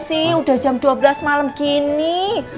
si udah jam dua belas malem gini